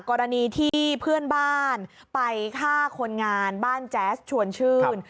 กรณีที่เพื่อนบ้านไปฆ่าคนงานบ้านแจ๊สชวนชื่น